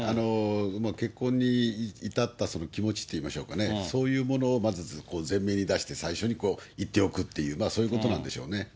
もう結婚に至ったその気持ちっていうんでしょうかね、そういうものをまず前面に出して、最初に言っておくっていう、そういうことなんでしょうね。